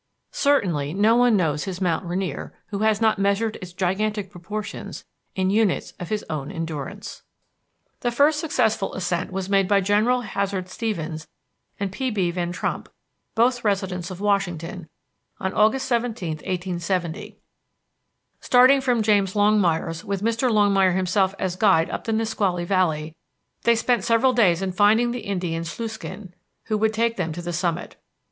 Certainly no one knows his Mount Rainier who has not measured its gigantic proportions in units of his own endurance. The first successful ascent was made by General Hazard Stevens and P.B. Van Trump, both residents of Washington, on August 17, 1870. Starting from James Longmire's with Mr. Longmire himself as guide up the Nisqually Valley, they spent several days in finding the Indian Sluiskin, who should take them to the summit.